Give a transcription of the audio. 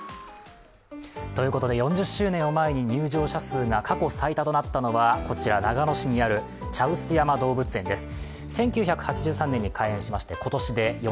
４０周年を前に入場者数が過去最多となったのはこちら長野市にある茶臼山動物園です。